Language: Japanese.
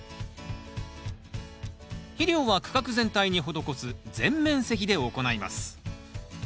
肥料は区画全体に施す全面施肥で行います。